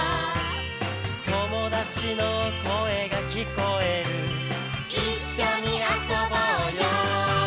「友達の声が聞こえる」「一緒に遊ぼうよ」